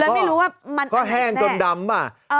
แล้วไม่รู้ว่ามันอันนี้แน่ก็แห้งจนดำอ่ะเออ